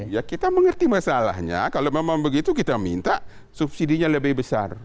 ya kita mengerti masalahnya kalau memang begitu kita minta subsidinya lebih besar